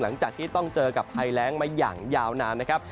หลังจากที่ต้องเจอกับภัยแรงมาอย่างยาวนานนะครับ